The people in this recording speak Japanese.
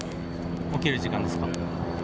起きる時間ですか？